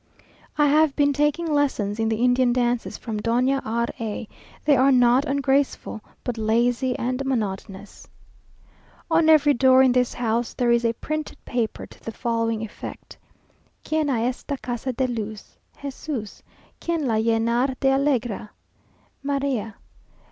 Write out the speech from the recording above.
I have been taking lessons in the Indian dances from Doña R a; they are not ungraceful, but lazy and monotonous.... On every door in this house there is a printed paper to the following effect: "Quien á esta casa da luz? Jesús. Quien la llena de alegria? María.